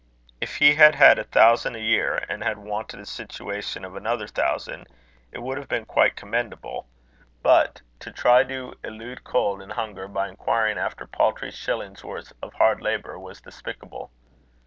If he had had a thousand a year, and had wanted a situation of another thousand, it would have been quite commendable; but to try to elude cold and hunger by inquiring after paltry shillings' worths of hard labour, was despicable.